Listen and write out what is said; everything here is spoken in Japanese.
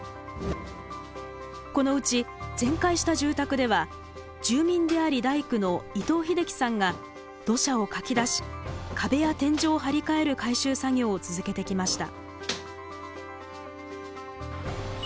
このうち全壊した住宅では住民であり大工の伊藤英樹さんが土砂をかき出し壁や天井を張り替える改修作業を続けてきました。